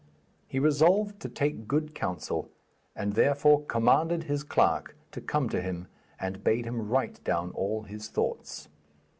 He resolved to take good counsel, and therefore commanded his clerk to come to him and bade him write down all his thoughts.